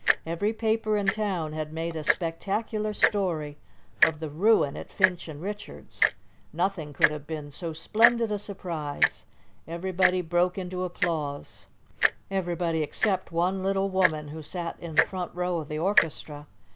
Every paper in town had made a spectacular story of the ruin at Finch & Richards'. Nothing could have been so splendid a surprise. Everybody broke into applause, everybody except one little woman who sat in the front row of the orchestra.